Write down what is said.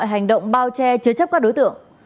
hành động bao che chế chấp các đối tượng